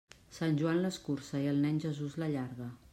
Sant Joan l'escurça i el Nen Jesús l'allarga.